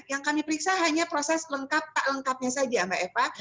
yang kami periksa hanya proses lengkap tak lengkapnya saja mbak eva